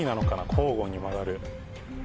交互に曲がる。